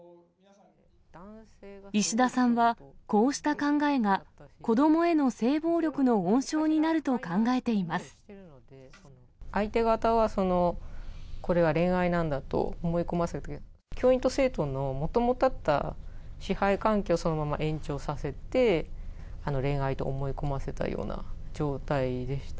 石田さんはこうした考えが、子どもへの性暴力の温床になると相手方は、これは恋愛なんだと思い込ませて、教員と生徒のもともとあった支配環境をそのまま延長させて、恋愛と思い込ませたような状態でした。